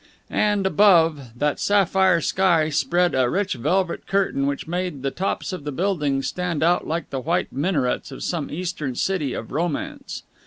And, above, that sapphire sky spread a rich velvet curtain which made the tops of the buildings stand out like the white minarets of some eastern city of romance.